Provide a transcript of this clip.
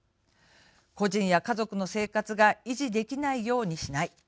個人や家族の生活が維持できないようにしない。